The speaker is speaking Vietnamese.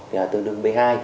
thì là tương đương b hai